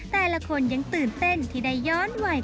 แต่ละคนยังตื่นเต้นที่ได้ย้อนวัย